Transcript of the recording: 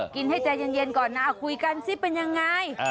กินให้ใจเย็นก่อนนะคุยกันซิเป็นยังไง